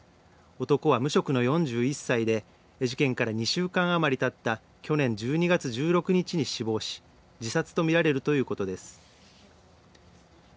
男は無職の４１歳で、事件から２週間余りたった去年１２月１６日に死亡し自殺と見られるということです。